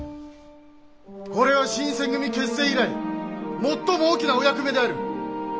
これは新選組結成以来最も大きなお役目である。